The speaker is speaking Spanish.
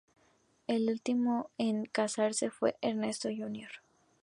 El último en casarse fue Ernesto Jr.